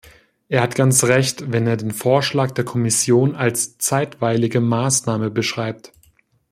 Er hat ganz Recht, wenn er den Vorschlag der Kommission als zeitweilige Maßnahme beschreibt.